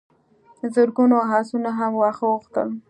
زرګونو آسونو هم واښه غوښتل.